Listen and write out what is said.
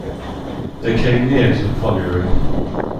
They came near to the colliery.